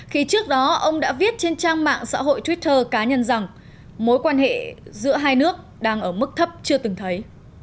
khi trước đó ông đã viết trên trang mạng xã hội twitter cá nhân rằng mối quan hệ giữa hai nước đang ở mức thấp chưa từng thấy